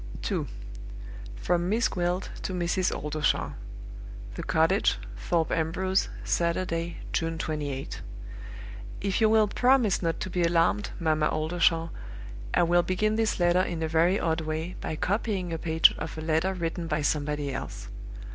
2. From Miss Gwilt to Mrs. Oldershaw. The Cottage, Thorpe Ambrose, Saturday, June 28. "If you will promise not to be alarmed, Mamma Oldershaw, I will begin this letter in a very odd way, by copying a page of a letter written by somebody else.